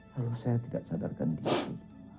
kalau saya tidak sadarkan diri